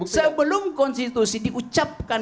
sebelum konstitusi diucapkan